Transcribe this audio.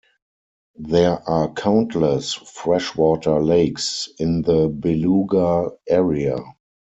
There are countless freshwater lakes in the Beluga area.